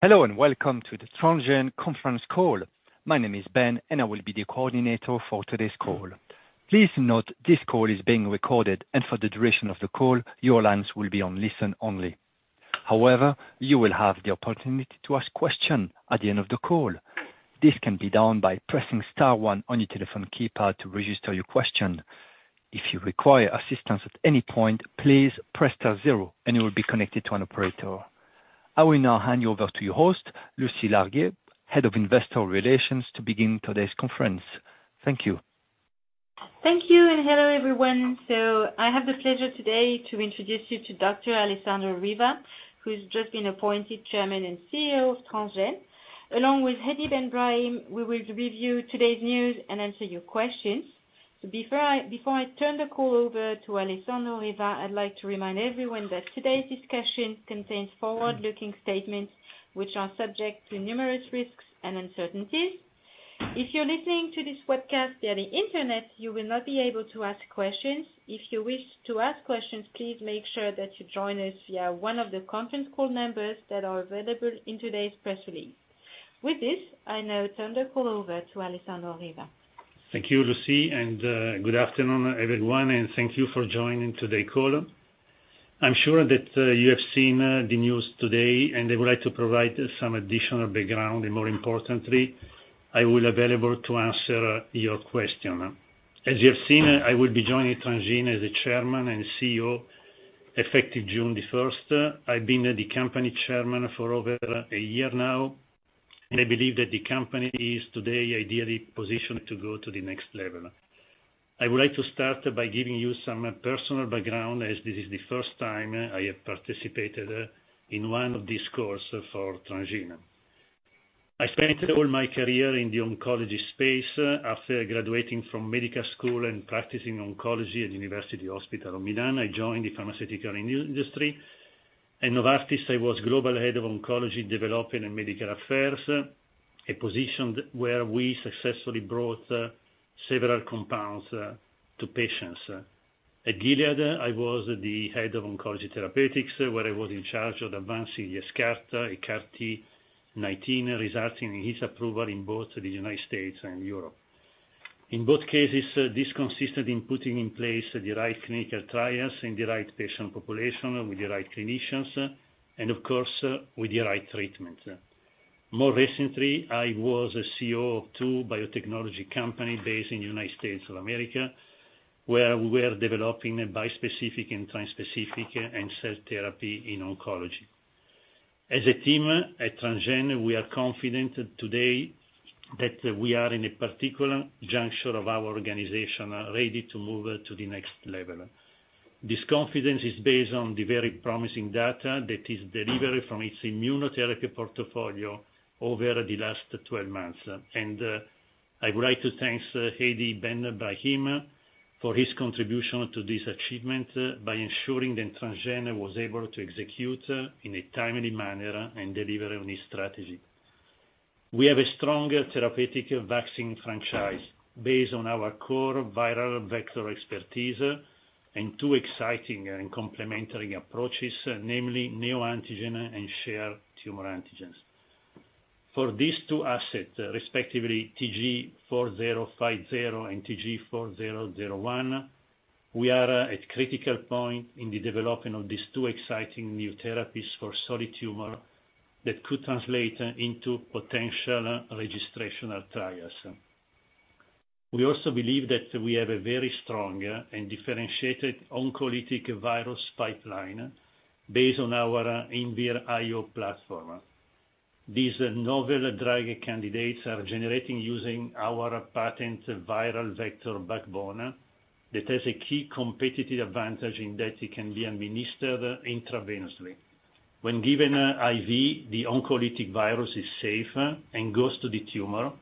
Hello, welcome to the Transgene conference call. My name is Ben, I will be the coordinator for today's call. Please note this call is being recorded, for the duration of the call, your lines will be on listen-only. However, you will have the opportunity to ask question at the end of the call. This can be done by pressing star one on your telephone keypad to register your question. If you require assistance at any point, please press star zero you will be connected to an operator. I will now hand you over to your host, Lucie Larguier, Head of Investor Relations, to begin today's conference. Thank you. Thank you, hello, everyone. I have the pleasure today to introduce you to Dr. Alessandro Riva, who's just been appointed Chairman and CEO of Transgene. Along with Hedy Benbrahim, we will review today's news and answer your questions. Before I turn the call over to Alessandro Riva, I'd like to remind everyone that today's discussion contains forward-looking statements which are subject to numerous risks and uncertainties. If you're listening to this webcast via the Internet, you will not be able to ask questions. If you wish to ask questions, please make sure that you join us via one of the conference call numbers that are available in today's press release. With this, I now turn the call over to Alessandro Riva. Thank you, Lucie. Good afternoon, everyone, and thank you for joining today call. I'm sure that you have seen the news today. I would like to provide some additional background, and more importantly, I will available to answer your question. As you have seen, I will be joining Transgene as the Chairman and CEO, effective June 1st. I've been the company chairman for over a year now. I believe that the company is today ideally positioned to go to the next level. I would like to start by giving you some personal background, as this is the first time I have participated in one of these calls for Transgene. I spent all my career in the oncology space. After graduating from medical school and practicing oncology at University Hospital Milan, I joined the pharmaceutical industry. At Novartis, I was Global Head of Oncology, Development and Medical Affairs, a position where we successfully brought several compounds to patients. At Gilead, I was the Head of Oncology Therapeutics, where I was in charge of advancing Yescarta, a CAR T 19, resulting in its approval in both the United States and Europe. In both cases, this consisted in putting in place the right clinical trials and the right patient population with the right clinicians and of course, with the right treatment. More recently, I was a CEO of two biotechnology company based in United States of America, where we were developing bispecific and trispecific and cell therapy in oncology. As a team at Transgene, we are confident today that we are in a particular juncture of our organization, ready to move to the next level. This confidence is based on the very promising data that is delivered from its immunotherapy portfolio over the last 12 months. I would like to thanks Hedy Benbrahim for his contribution to this achievement by ensuring that Transgene was able to execute in a timely manner and deliver on his strategy. We have a strong therapeutic vaccine franchise based on our core viral vector expertise and two exciting and complementary approaches, namely neoantigen and shared tumor antigens. For these two assets, respectively TG4050 and TG4001, we are at critical point in the development of these two exciting new therapies for solid tumor that could translate into potential registrational trials. We also believe that we have a very strong and differentiated oncolytic virus pipeline based on our Invir.IO platform. These novel drug candidates are generating using our patented viral vector backbone that has a key competitive advantage in that it can be administered intravenously. When given IV, the oncolytic virus is safe and goes to the tumor,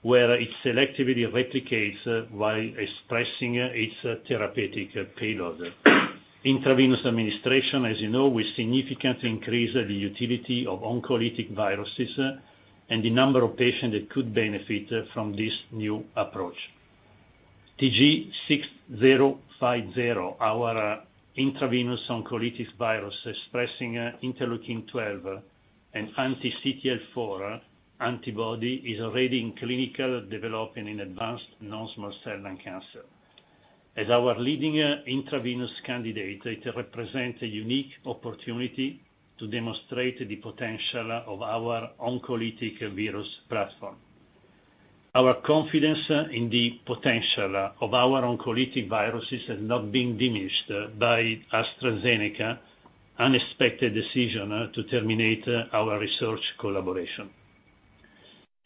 where it selectively replicates while expressing its therapeutic payload. Intravenous administration, as you know, will significantly increase the utility of oncolytic viruses and the number of patients that could benefit from this new approach. TG6050, our intravenous oncolytic virus expressing interleukin-12 and anti-CTLA-4 antibody, is already in clinical development in advanced non-small cell lung cancer. As our leading intravenous candidate, it represents a unique opportunity to demonstrate the potential of our oncolytic virus platform. Our confidence in the potential of our oncolytic viruses has not been diminished by AstraZeneca unexpected decision to terminate our research collaboration.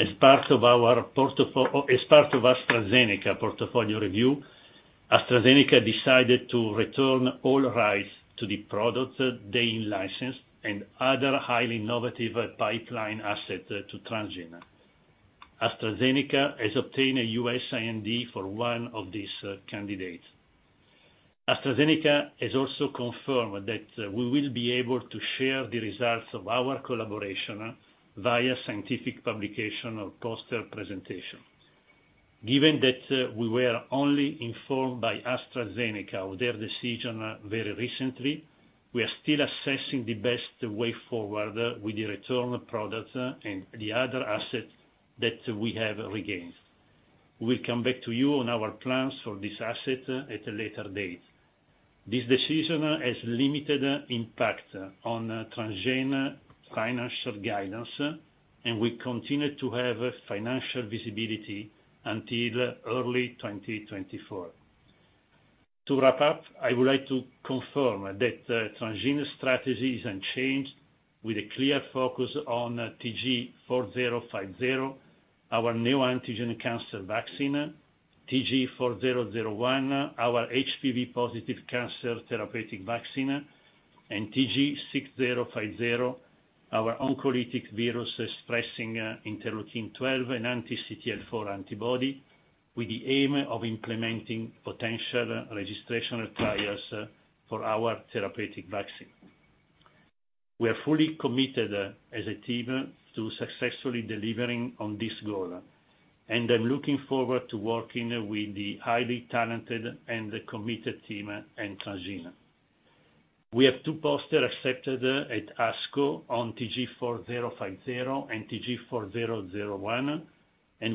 As part of AstraZeneca portfolio review, AstraZeneca decided to return all rights to the product they licensed and other highly innovative pipeline asset to Transgene. AstraZeneca has obtained a U.S. IND for one of these candidates. AstraZeneca has also confirmed that we will be able to share the results of our collaboration via scientific publication or poster presentation. Given that we were only informed by AstraZeneca of their decision very recently, we are still assessing the best way forward with the return product and the other assets that we have regained. We'll come back to you on our plans for this asset at a later date. This decision has limited impact on Transgene financial guidance, and we continue to have financial visibility until early 2024. To wrap up, I would like to confirm that Transgene strategy is unchanged, with a clear focus on TG4050, our neoantigen cancer vaccine, TG4001, our HPV-positive cancer therapeutic vaccine, and TG6050, our oncolytic virus expressing interleukin-12 and anti-CTLA-4 antibody, with the aim of implementing potential registrational trials for our therapeutic vaccine. We are fully committed as a team to successfully delivering on this goal, and I'm looking forward to working with the highly talented and committed team in Transgene. We have two poster accepted at ASCO on TG4050 and TG4001,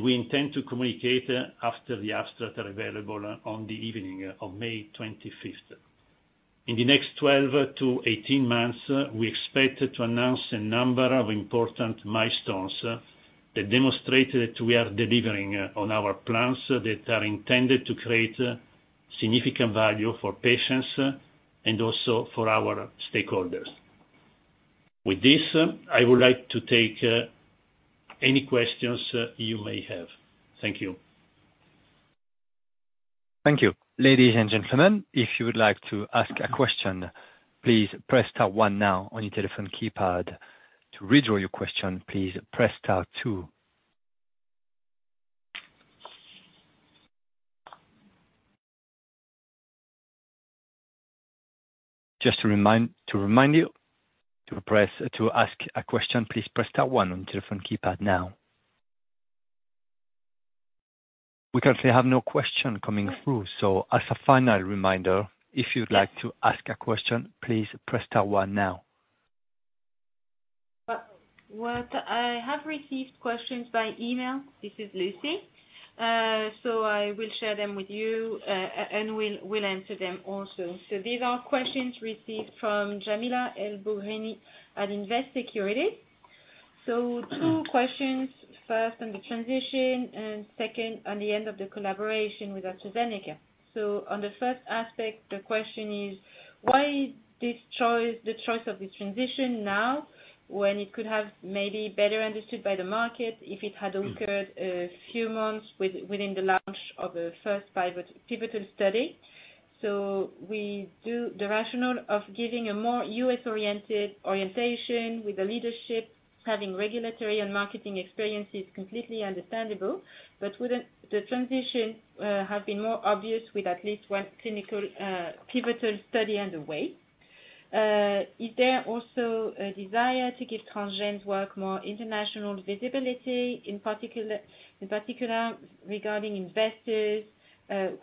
we intend to communicate after the abstract are available on the evening of May 25th. In the next 12-18 months, we expect to announce a number of important milestones that demonstrate that we are delivering on our plans that are intended to create significant value for patients and also for our stakeholders. With this, I would like to take any questions you may have. Thank you. Thank you. Ladies and gentlemen, if you would like to ask a question, please press star one now on your telephone keypad. To withdraw your question, please press star two. Just to remind you, to press to ask a question, please press star one on your telephone keypad now. We currently have no question coming through. As a final reminder, if you'd like to ask a question, please press star one now. Well, I have received questions by email. This is Lucie. So I will share them with you, and we'll answer them also. These are questions received from Jamila El Bouhni at Invest Securities. Two questions, first on the transition and second on the end of the collaboration with AstraZeneca. On the first aspect, the question is, why this choice, the choice of the transition now when it could have maybe better understood by the market if it had occurred a few months within the launch of the first pivotal study? We do the rationale of giving a more U.S.-oriented orientation with the leadership, having regulatory and marketing experience is completely understandable. Wouldn't the transition have been more obvious with at least one clinical pivotal study underway? Is there also a desire to give Transgene's work more international visibility, in particular regarding investors,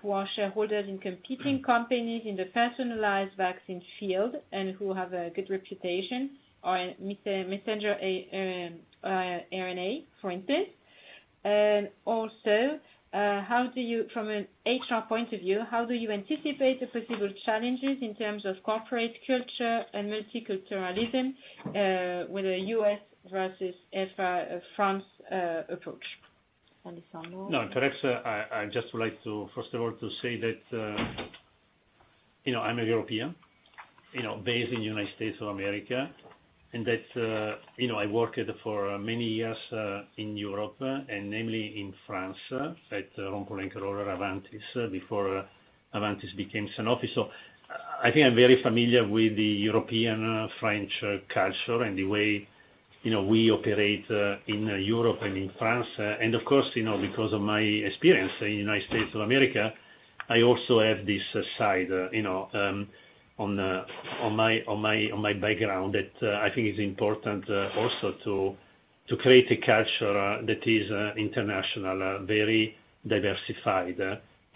who are shareholders in competing companies in the personalized vaccine field and who have a good reputation or messenger RNA, for instance? How do you from an HR point of view, how do you anticipate the possible challenges in terms of corporate culture and multiculturalism, with a U.S. versus France, approach? Alessandro. No, I just would like to, first of all, to say that, you know, I'm a European, you know, based in the United States of America, and that, you know, I worked for many years, in Europe, and namely in France at Rhône-Poulenc Rorer Aventis before Aventis became Sanofi. I think I'm very familiar with the European French culture and the way, you know, we operate, in Europe and in France. Of course, you know, because of my experience in the United States of America, I also have this side, you know, on my background that I think is important also to create a culture that is international, very diversified,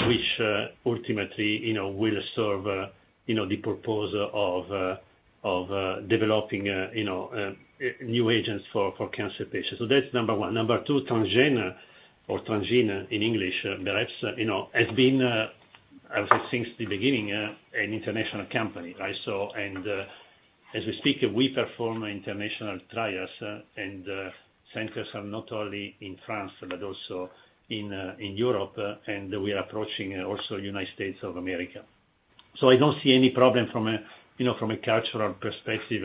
which ultimately, you know, will serve, you know, the purpose of developing, you know, new agents for cancer patients. That's number one. Number two, Transgene or Transgene in English, perhaps, you know, has been, I would say since the beginning, an international company, right? As we speak, we perform international trials and centers are not only in France but also in Europe. We are approaching also United States of America. I don't see any problem from a, you know, from a cultural perspective.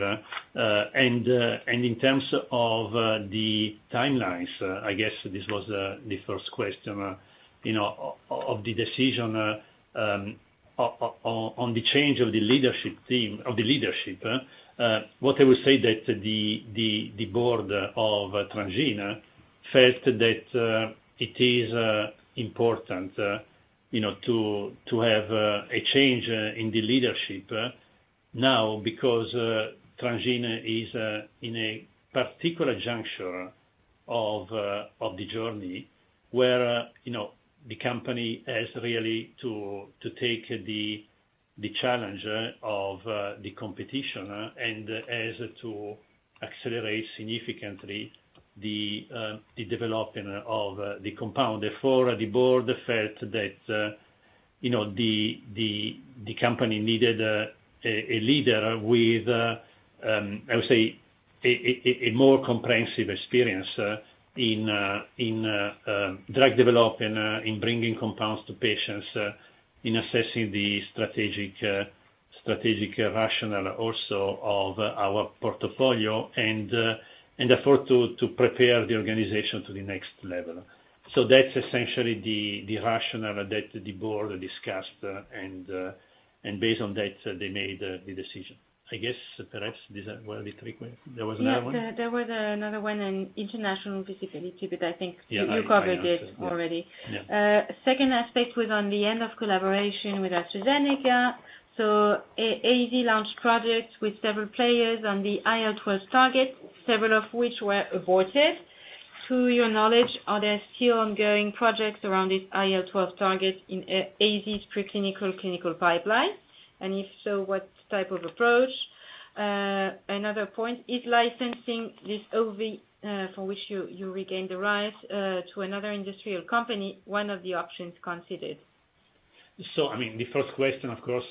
In terms of the timelines, I guess this was the first question, you know, of the decision on the change of the leadership team, of the leadership. What I would say that the board of Transgene felt that it is important, you know, to have a change in the leadership. Now, because Transgene is in a particular juncture of the journey where, you know, the company has really to take the challenge of the competition, and as to accelerate significantly the development of the compound. Therefore, the board felt that, you know, the company needed a leader with a more comprehensive experience in drug development, in bringing compounds to patients, in assessing the strategic rationale also of our portfolio and therefore to prepare the organization to the next level. That's essentially the rationale that the board discussed, and based on that, they made the decision. I guess perhaps these were the three questions. There was another one? Yes. There was another one on international visibility, but I think- Yeah. I answered that. You covered it already. Yeah. Second aspect was on the end of collaboration with AstraZeneca. AZ launched projects with several players on the IL-12 target, several of which were aborted. To your knowledge, are there still ongoing projects around this IL-12 target in AZ's preclinical clinical pipeline? If so, what type of approach? Another point, is licensing this OV, for which you regained the right to another industrial company, one of the options considered? I mean, the first question, of course,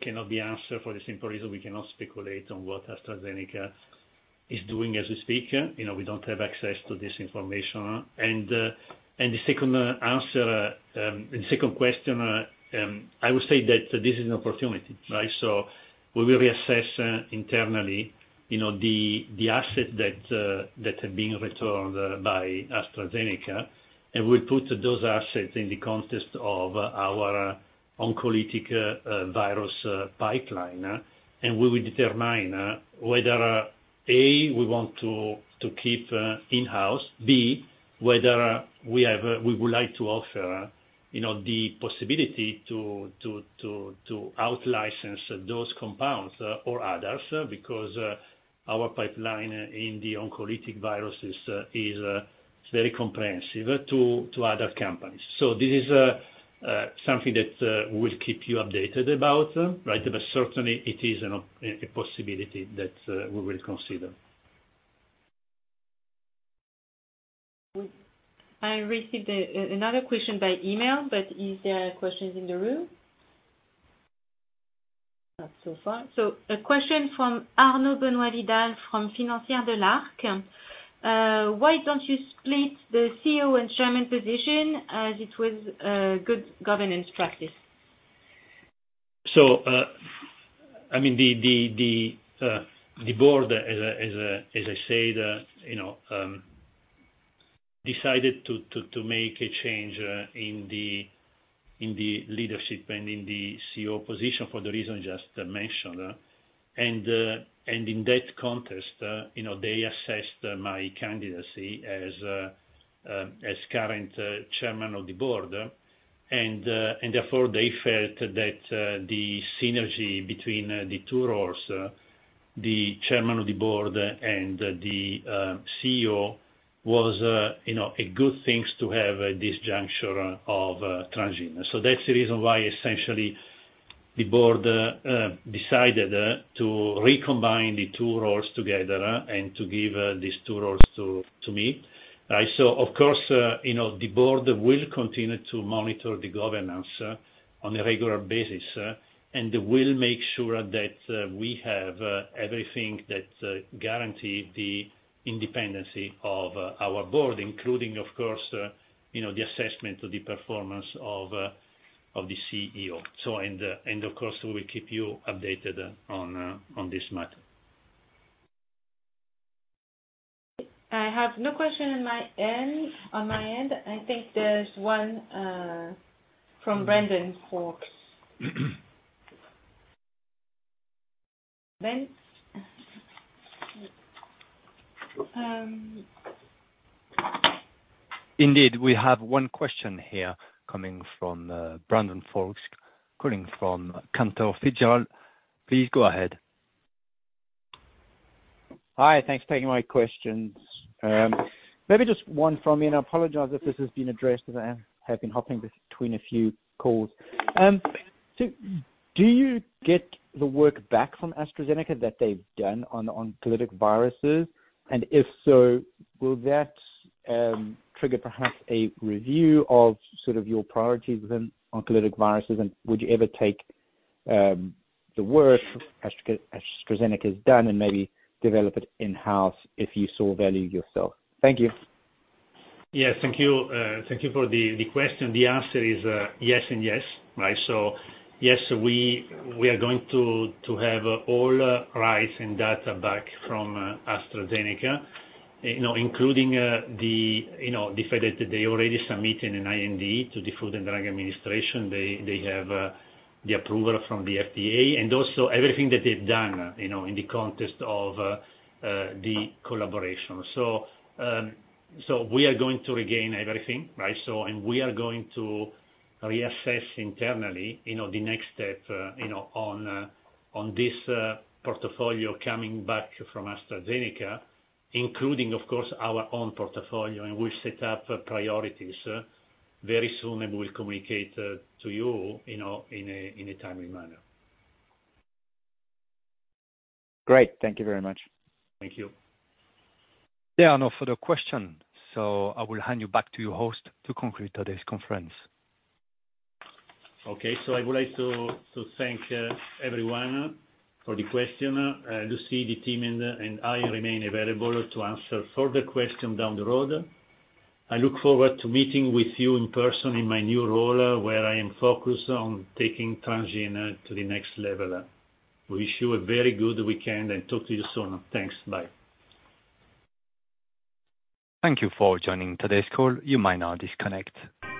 cannot be answered for the simple reason we cannot speculate on what AstraZeneca is doing as we speak. You know, we don't have access to this information. The second answer, the second question, I would say that this is an opportunity, right? We will reassess internally, you know, the asset that are being returned by AstraZeneca, and we'll put those assets in the context of our oncolytic virus pipeline. We will determine whether, A, we want to keep in-house. B, whether we would like to offer, you know, the possibility to out-license those compounds or others, because our pipeline in the oncolytic virus is very comprehensive to other companies. This is something that we'll keep you updated about, right? Certainly it is a possibility that we will consider. I received another question by email, but is there questions in the room? Not so far. A question from Arnaud Benoit-Didal from Financière de l'Arcturine. Why don't you split the CEO and chairman position as it was a good governance practice? I mean, the board as I said, you know, decided to make a change in the leadership and in the CEO position for the reason I just mentioned. In that context, you know, they assessed my candidacy as current chairman of the board. Therefore, they felt that the synergy between the two roles, the chairman of the board and the CEO was, you know, a good thing to have at this juncture of Transgene. That's the reason why essentially the board decided to recombine the two roles together and to give these two roles to me. Of course, you know, the board will continue to monitor the governance on a regular basis, and will make sure that we have everything that guarantee the independency of our board, including of course, you know, the assessment of the performance of the CEO. Of course, we will keep you updated on this matter. I have no question in my end, on my end. I think there's one from Brandon Folkes. Ben? Indeed, we have one question here coming from Brandon Folkes, calling from Cantor Fitzgerald. Please go ahead. Hi. Thanks for taking my questions. Maybe just one from me, and I apologize if this has been addressed, as I have been hopping between a few calls. Do you get the work back from AstraZeneca that they've done on oncolytic viruses? If so, will that trigger perhaps a review of sort of your priorities within oncolytic viruses? Would you ever take the work AstraZeneca has done and maybe develop it in-house if you saw value yourself? Thank you. Yes, thank you. Thank you for the question. The answer is yes and yes, right? Yes, we are going to have all rights and data back from AstraZeneca, you know, including, you know, the fact that they already submitted an IND to the Food and Drug Administration. They have the approval from the FDA and also everything that they've done, you know, in the context of the collaboration. We are going to regain everything, right? We are going to reassess internally, you know, the next step, you know, on this portfolio coming back from AstraZeneca, including of course our own portfolio. We'll set up priorities very soon, and we'll communicate to you in a timely manner. Great. Thank you very much. Thank you. There are no further question. I will hand you back to your host to conclude today's conference. Okay. I would like to thank everyone for the question. Lucie, the team and I remain available to answer further question down the road. I look forward to meeting with you in person in my new role, where I am focused on taking Transgene to the next level. Wish you a very good weekend, and talk to you soon. Thanks. Bye. Thank you for joining today's call. You may now disconnect.